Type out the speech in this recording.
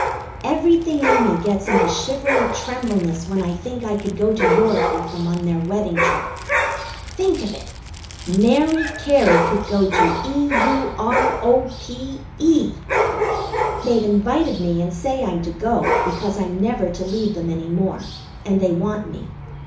Everything in me gets into shivering trembleness when I think I could go to Europe with them on their wedding trip. Think of it! Mary Cary could go to E U R O P E! They've invited me and say I'm to go, because I'm never to leave them any more, and they want me.